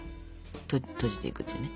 閉じていくというね。